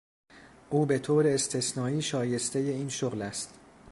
او به طور استثنایی شایستهی این شغل است.